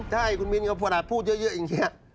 ใช่คุณมินก็ขนาดพูดเยอะอย่างนี้